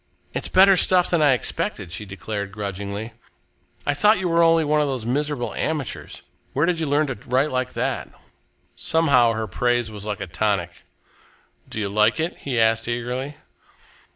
"It's better stuff than I expected," she declared grudgingly. "I thought you were only one of these miserable amateurs. Where did you learn to write like that?" Somehow, her praise was like a tonic. "Do you like it?" he asked eagerly.